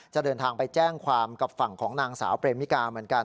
เดินทางไปแจ้งความกับฝั่งของนางสาวเปรมิกาเหมือนกัน